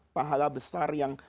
pahala besar yang